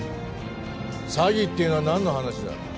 詐欺っていうのは何の話だ。